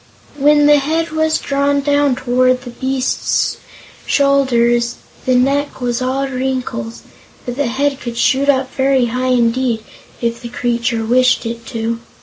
When the head was drawn down toward the beast's shoulders, the neck was all wrinkles, but the head could shoot up very high indeed, if the creature wished it to.